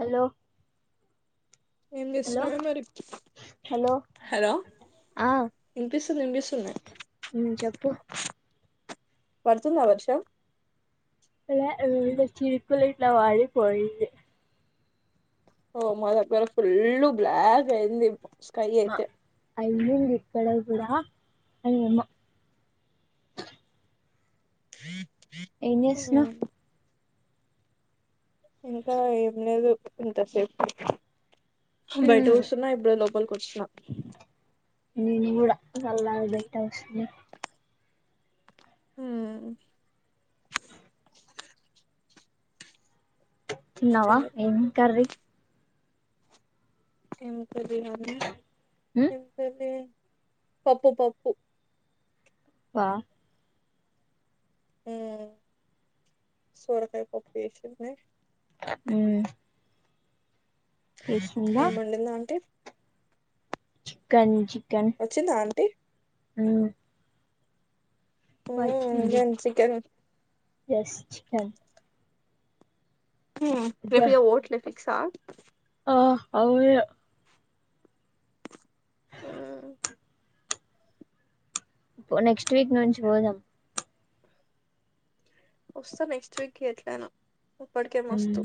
hello ఏం చేస్తున్నావే మరి హలో ఆ ఇనిపిస్తుం ఇనిపిస్తునాయ్ ఉమ్ చెప్పు పడుతుందా వర్షం లే ఉరికే చినుకులు ఇట్లా పడిపోయింది ఓ మొదటి వరుకు ఫుల్ బ్లాక్ అయింది స్కై ఆ అయితే అయిన్ ఇక్కడ కూడా ఏమో చేస్తున్నావ్ హ్మ్ ఇంకా ఏం లేదు ఇంతసేపు బయట కూసున్నా ఇప్పుడే లో పల్క్ వచ్చిన నేను కూడ సల్లగా బయటా కూసున్న హ్మ్ ఇంకా తిన్నావా మరి ఏం కార్రీ ఏం కర్రీ కాదే ఏం కర్రీ పప్పు పప్పు పా హ్మ్ సోరకాయ పప్పు చేసింది హ్మ్ ఏం వండినా అంటే చికన్ చి వచ్చిందా ఆంటీ హ్మ్ పో ఇంగేం చికెన్ ఎస్ చికెన్ హ్మ్ రేపు అబ్బా ఇయా ఓట్ల ఫిక్స్ ఆహ్ ఆ అవు ఇయా హ్మ్ నెక్స్ట్ వీక్ నుంచి పోదాం వస్తా నెక్స్ట్ వీక్ ఎట్లా అయినా ఇప్పటికే ఉమ్ మస్తు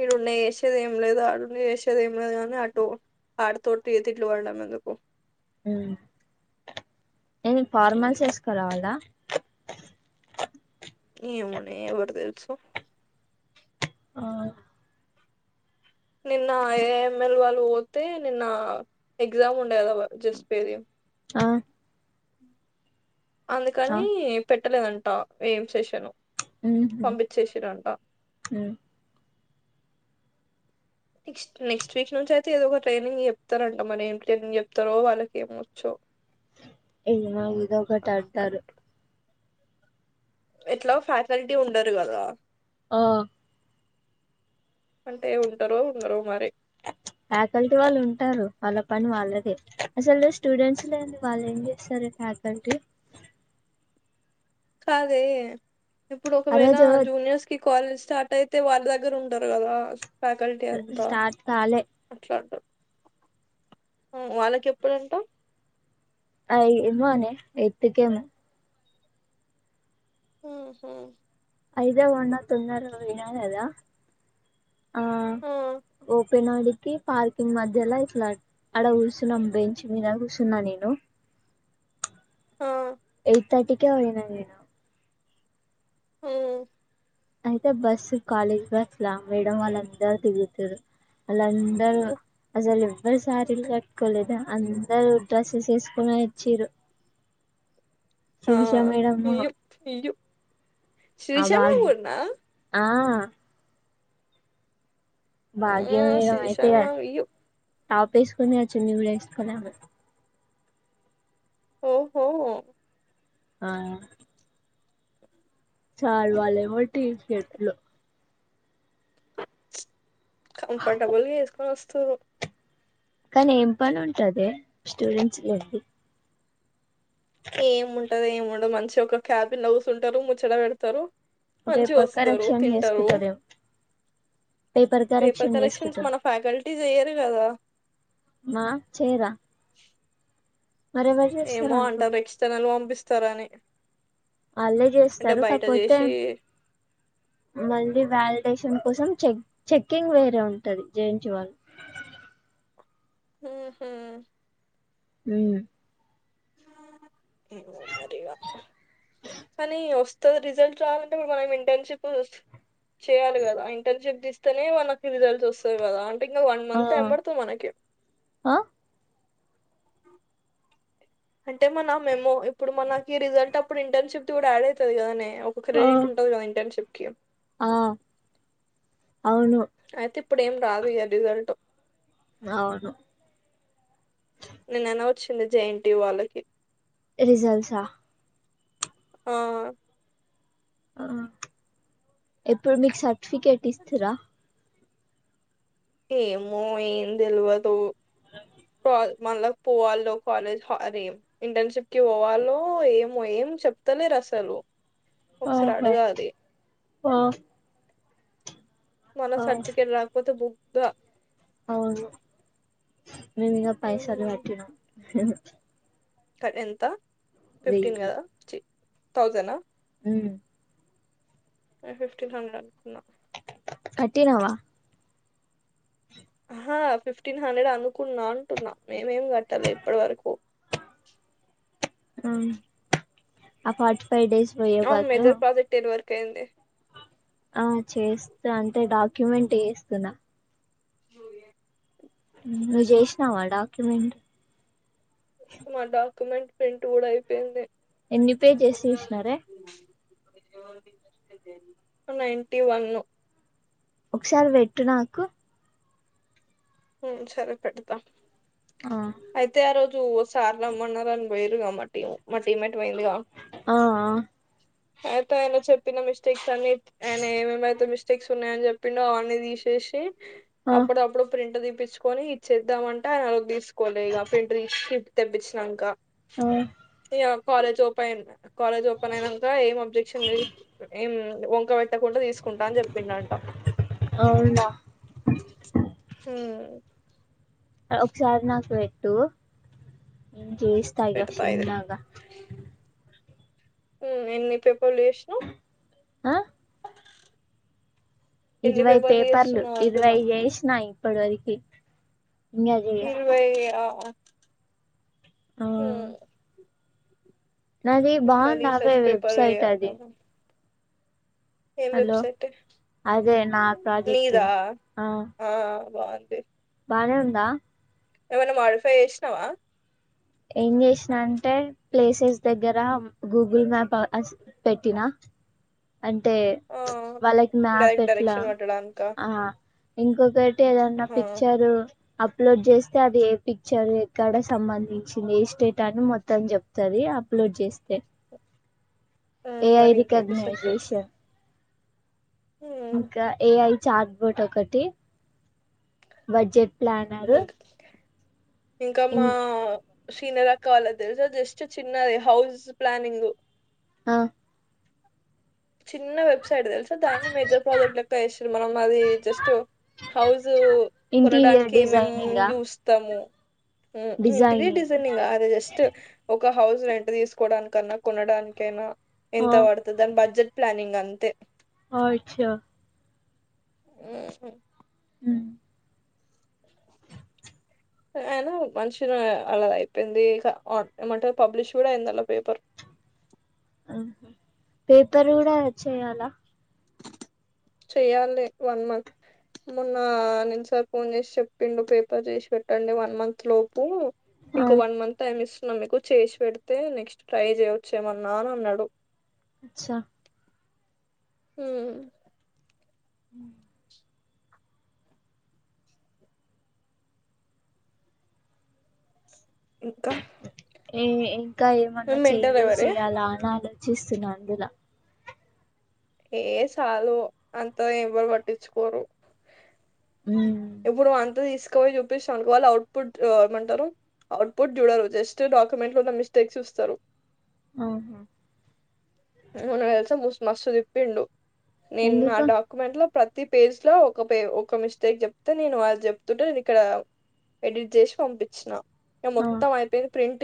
ఇడ ఉండఎస్ చేది ఏం లేదు ఆడుండి చేసేది ఏం లేదు కాని అటు ఆడతోటి తిట్లు పడడాం ఎందుకు హ్మ్ హ్మ్ ఫార్మల్స్ ఏస్కురావలా ఏమోనే ఎవరు తెలుసు ఆ నిన్న ఏఎంఎల్ వాళ్ళు పోతే నిన్న ఎగ్జామ్స్ ఉండే కదా జస్పెరియం ఆ ఆ అందుకని పెట్టలేదంట ఏం సెషను ఉహు పంపించేసిరు అంట ఉమ్ నెక్స్ట్ నెక్స్ట్ వీక్ నుంచి అయితే ఏదో ఒక ట్రైనింగ్ చెప్తారంట మరి ఏం ట్రైనింగ్ చెప్తారో వాళ్ళకి ఏమొచ్చో ఏమా ఇదో ఒకటి అంటారు ఎట్లా ఫ్యాకల్టీ ఉండరు కదా ఆ అంటే ఉంటరో ఉండరో మరి ఫ్యాకల్టీ వాళ్ళు ఉంటారు వాళ్ళ పని వాళ్ళదిే అసలు స్టూడెంట్స్ లేండి వాళ్ళు ఏం చేస్తారు హాప్పెన్ టు కాదే ఇప్పుడు ఆ ఒకవేళ రోజు జూనియర్స్ కి కాలేజ్ స్టార్ట్ అయితే వాళ్ళ దగ్గర ఉండరు కదా ఫ్యాకల్టీ అంతా స్టార్ట్ కాలే మాట్లాడడు వాళ్ళకి ఎప్పుడంటా అ ఏమ అనే ఎతికనే హు హ ఐదా ఒన్నా తిన్నారు ఏదదా ఆ ఓపెన్ అడికి పార్కింగ్ మధ్యలా ఇట్లా ఆడ కుర్సున్నా బెంచ్ మీద కుర్సున్నా నేను ఆ తటిిక ఉనేనా ఆ అయితే బస్ కాలేజ్ బస్ లా మేడం వాళ్ళ అందరు దిగుతారు వాళ్ళందరు అసలు ఎవ్వరు సారీలు కట్టుకోలేదుా అందరు డ్రెస్సెస్ వేసుకుని వచ్చిరు ఆ ఇయ్యు ఇయ్యూ అద [unintelligible] ఆ ఆ భాగ్యమేడం అయితేగా శ్రీశైలం ఇయ్యు టపేస్కునే చున్నీ కూడా ఎస్కునే రాదు ఓహో ఆహ్ చాల వాల మటి చెట్లు కంఫర్టబల్ గా ఎసుకోనీ వస్తారు కానీ ఏం పని ఉంటది స్టూడెంట్స్ కి ఏముంటది ఏముండదు మంచిగా ఒక క్యాపి న్సుంటారు ముచ్చట పెడతారు మంచిగా పేపర్ వస్తారు కరెక్షన్ తింటారు చేసుకుంటారేమో పేపర్ కరెక్షన్ కరెక్షన్స్ చేసుకుంటారు మన ఫ్యాకల్టీస్ చెయ్యరు కదా మా చేయరా మరెవరు చేస్తారు ఏమో అంటారు అనుకున్నా రక్షితనాలు పంపిస్తార అని వాళ్ళే చేస్తారు కాకపోతే మళ్ళీ వాలిడేషన్ కోసం చెక్ చెక్కింగ్ వేరే ఉంటది జె ఎన్ టి యు వాళ్ళు హుహా హ్మ్మ్ ఏమో మరివా కానీ వస్తె రిజల్ట్ రావాలంటే ఇప్పుడు మనం ఇంటర్న్షిప్ చేయాలి కదా ఇంటర్షిప్ తీస్తేనే వాళ్ళకు రిజల్ట్స్ వస్తుంది కదా అ ఇకా వన్ ఆ మంత్ అందరితో మనకి ఆ అంటే మన మేమో ఇప్పుడు మనకి రిజల్ట్ అప్పుడు ఇంటర్న్షిప్ కూడా యాడ్ అవుతుది కదానే ఒక ఆ క్రెడిట్ ఉంటుంది కదా ఇంటర్న్షిప్ కి ఆ అవును ఇప్పుడేం రాదు ఇక రిజల్ట్ అవును నిన్న నే వచ్చింది జే ఎన్ టి యు వాళ్ళకి రిసల్ట్సా ఆ ఆ ఎప్పుడు నీకు సర్టిఫికెట్ ఇస్తార ఏమో ఏం తెల్వదు [unintelligible] మళ్ళకా పోవాలో కాలేజ్ హే ఇంటర్న్షిప్ కి పోవాలో ఏమో ఏం చెప్తలేరా అసలు ఒకసారి ఆహా అడగాలి ఆ మన ఆ సార్టిఫట్ రాగపోథ బుక్ దా అవును మేను ఇంకా పైసలు కట్టినా ట్ ఎంత ఫిఫ్టీన్ గదా చీ థౌసండ్ ఆ హ్మ్మ్ నేను ఫిఫ్టీన్ హండ్రెడ్ అనుకున్నా కట్టినవా ఆ ఫిఫ్టీన్ హండ్రెడ్ అనుకున్నా అంటున్నా మేమేం గట్టాలి ఇప్పటి వరకు ఆ ఫార్టీ ఫైవ్ డేస్ పోయేవి గాదు కేంది ఆ చేస్తా అంటే డాక్యుమెంట్ ఎస్తున్నా నువ్వు చేసినావా డాక్యుమెంట్ మా డాక్యుమెంట్ ప్రింట్ కూడా అయిపోయింది ఎన్ని పేజేస్ ఎసినారే నైన్ంటి వన్ను ఒకసారి వెట్టు నాకు సరే పెడతా ఆ అయితే ఆ రోజు టు సార్లమ్మన్నార పోయిరుగా మా టీం మా టీమ్ మేట్ పోయందిగా ఆ అయితే ఆయన చెప్పిన మిస్టేక్స్ అన్ని ఆయన ఏమేమైతే మిస్టేక్స్ ఉన్నాయని చెప్పిండో అవని తీసేసి ఆ అప్పుడప్పుడు ప్రింట్ తీప్పించుకొని ఇచేద్దామంటే ఆయన తీసుకోలే ఇగా ప్రింట్ తీ తెప్పించినాంక హ్మ్మ్ కాలేజ్ ఓపెన్ కాలేజ్ ఓపెన్ అయిక ఏంబ్జెక్షన్ం వంక పెట్టకుండా తీసుకు కుంటాని చెప్పినంట అవునా ఒకసార్ నాకు వెట్టు చేస్తాగా చిన్నగా హ్మ్మ్ ఎన్ని పేపర్లు చేసినా ఆ ఇరవై పేపర్లు చేస్తున్నావ్ ఇరవై అంటున్నా చేసినా ఇప్పటి వరకి ఇంకా చేయాలి ఇరువై ఆ ఆ హ్మ్మ్ నాది బాగుంది అవే రీసెర్చ్ పేపర్ వెబ్సైట్ అది చేయాలేమో ఏం హలో వెబ్సైట్ అదే నా నీదా ప్రాజెక్టుది ఆ బావుంది బనే ఉందా ఏమైన్నా మాడిఫై చేసినావా ఏం చేసిన అంటే ప్లేసెస్ దగ్గర గూగుల్ మ్యాప్ పెట్టినా అంటే ఆ వాళ్ళకి మ్యాప్ డైరెక్ట్ ఎట్లా డైరెక్షన్ పట్టడానికా ఆ ఇంకొకటి ఏదన్నా ఆహా పిక్చరు అప్లోడ్ చేస్తే అది ఏ పిక్చర్ ఎక్కడ సంబంధి వచ్చింది ఏ స్టేటాని మొత్తాం చెప్తుంది అప్లోడ్ చేస్తే ఉమ్, ఏ ఐ మరి ఇంకేది సెట్ రికగ్నైజేషన్ ఇంకా ఏఐ చార్ట్ బోట్ ఒకటి బడ్జెట్ ప్లానర్ హ్మ్మ్ ఇంకా ఇం మా సీనర్ అక్కా వాలది తెల్సా జస్ట్ చిన్నది హౌస్ ప్లనింగ్ ఆ చిన్న వెబ్సైట్ తెలుసా దాన్ని మేజర్ ప్రాజెక్ట్ లక్క వేసారు మనం మాది జస్ట్ హౌజ ఇంటీరియర్ కొనడానికి మేము డిజైనింగ్ చూస్తాము ఏ ఇంటీరియర్ డిజైనింగ్ అదే బెస్ట్ ఒక్క హౌస్ రెంట్ తీసుకోవడానికన్నా కొనడానికైనా ఎంత పడుతుంది దాని బడ్జెట్ ప్లనింగ్ అంతె అచ్చా ఉహు హ అయినా మనిషనే అలా అయిపోయింది ఇక ఆటోమెటిక్ గా పబ్లిష్ కూడా అయింది ఆల పేపర్ ఆహ పేపర్ కూడా చేయాలా చెయాలే వన్ మంత్ మొన్న నినుసార్ ఫోన్ చేసి చెప్పిండు పేపర్ చేసి పెట్టండి వన్ మంత్ లోపు ఆ ఇంకో వన్ మంత్ టైం ఇస్ మనకు చేసి పెడితే నెక్స్ట్ ట్రై చేయవచ్చేమన్న అని అన్నాడు అచ్చా ఊ ఊ ఇంకా ఏ ఇంకా ఏమన్నా మెంటల్ చేంజెస్ ఎవరే చేయాలా అని అలో చూస్తున్నా అందులా ఏ సాలు అంత ఎవరు పట్టించుకోరు ఉమ్ ఇప్పుడు అంత తీసుకు ఎక్వ చూపిసవనుకో వాళ్ అట్పుుట్ ఏమంటారు అవుట్ పుట్ జూడరు జస్ట్ డాక్యుమెంట్ లో ఉన్న మిస్టేక్స్ చూ సరు ఆహా మొన్న తెలుసా ముసు మస్ తిప్పిండు నేను నా ఎందుకు డాక్యుమెంట్ లో ప్ర తి పేజ్ లో ఒక పే ఒక మిస్టేక్ చెప్తే నేను వాళ్ళు చెప్తుంటే నేను ఇక్కడ ఎడిట్ చేసి పంపించిన ఇక ఆ మొత్తం అయిపోయింది ప్రింట్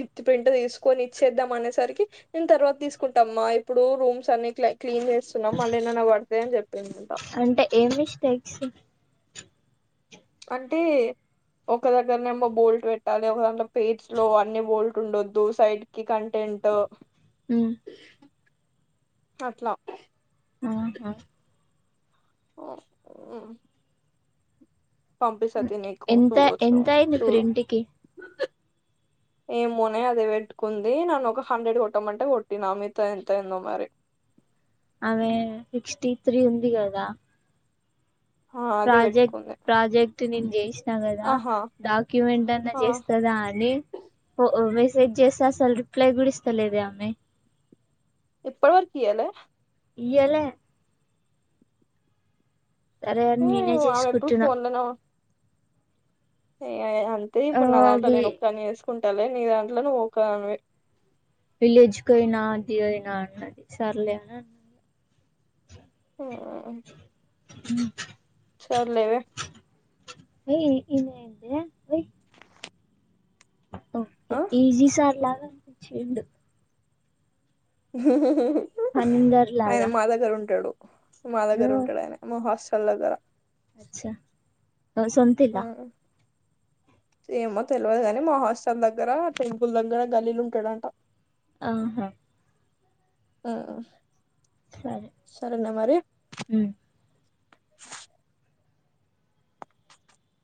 ఇత్ తి పెంట తీసుకొని ఇచ్చేద్దాం అనేసరికి నేను తర్వాత తీసుకు కుంటామ్మా ఇప్పుడు రూమ్స్ అన్నిట్లయ్ క్లీన్ చేస్తున్నాం మళ్ళీ ఏన్నన పడతయ్ అని చెప్పిందంట అంటే ఏం మిస్టేక్స్ అంటే ఒక దగ్గరనేమో బోల్ట్ పెట్టాలి ఒక దాంట్ల పేజ్ స్లో అన్ని బోల్ట్ ఉండొద్దు సైడ్ కి కంటే టెంటో ఉమ్ అట్లా ఆహా ఒ ఊ పంపిస్తా తియ్ నీకు ఎంత చూడచ్చు ఎంత అయింది చూడు ప్రింట్కి ఏమోనే అది పెట్టుకుంది నన్ను ఒక హండ్రెడ్ కొట్టమంటే కొట్టినా మీతో ఎంతైందో మరి [inaudible] ఆమె సిక్స్టీ త్రీ ఉంది కదా ఆ అదే ప్రాజెక్ట్ పెట్టుకుంది ప్రాజెక్ట్ నేను చేసినా కదా ఆహా డాక్యుమెంట్ అన్నా ఆ చేస్తదా అని ని ఒ మెసేజ్ చేస్తే అసలు రిప్లై గుడ ఇస్తలేదే ఆమె ఇప్పుడి వరకు ఇయలే ఇయలే సరే అని నేనే ఆమె ఎప్పుడు చేసుకుంటున్నా ఫోన్ లోనే ఉం- ఏ అంతే ఆ ఇప్పుడు నా దాంట్ల వి నేను ఒక్కని చేసు కుంటలే నీ దాంట్ల నువ్వు ఒక్కదానివే విలేజ్ కు ఒయినా అది ఒయినా అన్నది సర్లే అని అన్న ఆ ఉ సర్లేవే [unintelligible] ఓకే ఆ ఈజీ సార్లాగా చేద్దం హనీందర్ ఆయన లాగా మా దగ్గర ఉంటడు మా దగ్గర ఉంటడు ఆయన మా హాస్టల్ దగ్గర అచ్చ సొంతిల్లా ఉమ్, ఏమో తెలవదు కాని మా హాస్టల్ దగ్గర టెంపుల్ దగ్గర గల్లీల ఉంటడంట ఆహా ఆ సరే సరేనే మరి ఉమ్